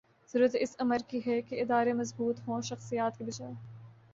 ضرورت اس امر کی ہے کہ ادارے مضبوط ہوں ’’ شخصیات ‘‘ کی بجائے